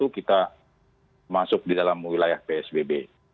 kita masuk di dalam wilayah psbb